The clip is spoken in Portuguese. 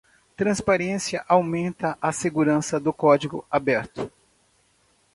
Transparência aumenta a segurança do código aberto.